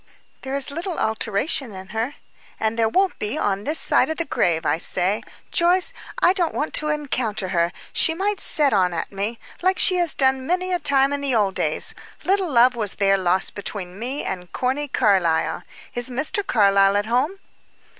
"There is little alteration in her." "And there won't be on this side the grave. I say, Joyce, I don't want to encounter her; she might set on at me, like she has done many a time in the old days. Little love was there lost between me and Corny Carlyle. Is Mr. Carlyle at home?"